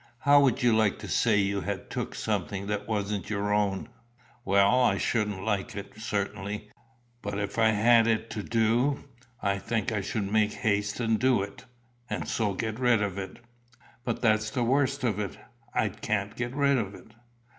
How would you like to say you had took something that wasn't your own?" "Well, I shouldn't like it, certainly; but if I had it to do, I think I should make haste and do it, and so get rid of it." "But that's the worst of it; I can't get rid of it."